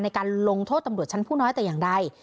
ในการลงโทษตำรวจชั้นผู้น้อยแต่อย่างใด